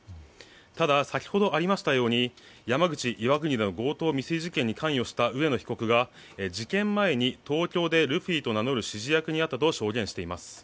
ただ、先ほどありましたように山口・岩国での強盗未遂事件に関与した上野被告が事件前に東京でルフィと名乗る指示役に会ったと証言しています。